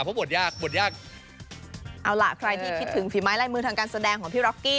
เอาล่ะใครที่คิดถึงฝีไม้ลายมือนักทางการแสดงของพี่ร็อคกี้